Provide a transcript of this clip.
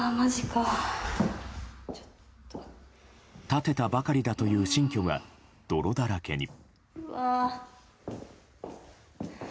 建てたばかりだという新居が泥だらけに。